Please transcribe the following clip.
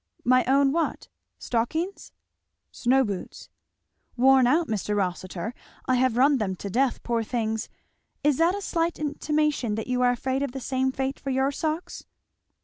"My own what? Stockings?" "Snow boots." "Worn out, Mr. Rossitur! I have run them to death, poor things. Is that a slight intimation that you are afraid of the same fate for your socks?"